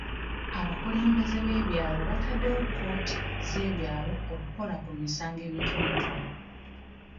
Abakulembeze b'ebyalo bataddewo kkooti z'ebyalo okukola ku misango emitonotono.